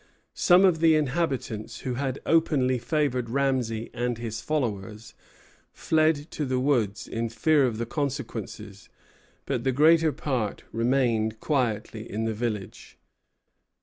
Some of the inhabitants, who had openly favored Ramesay and his followers, fled to the woods, in fear of the consequences; but the greater part remained quietly in the village.